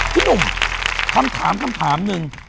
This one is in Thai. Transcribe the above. พี่หนุ่มคำถามหนึ่ง